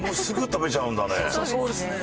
そうですね。